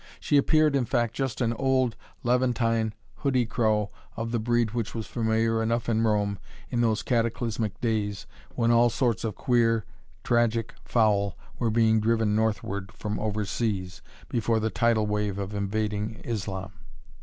She appeared, in fact, just an old Levantine hoodie crow of the breed which was familiar enough in Rome in those cataclysmic days, when all sorts of queer, tragic fowl were being driven northward from over seas before the tidal wave of invading Islam.